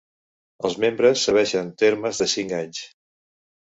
Els membres serveixen termes de cinc anys.